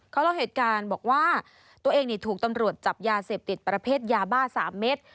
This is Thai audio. เขาเล่าเหตุการณ์บอกว่าตัวเองถูกตำรวจจับยาเสพติดประเภทยาบ้า๓เม็ด